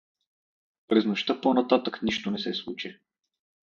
През нощта по-нататък нищо не се случи.